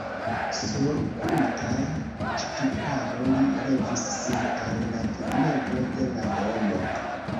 Sur kruta ŝtuparo li levis sin al la tegmento de la domo.